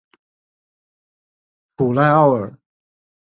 普赖奥尔。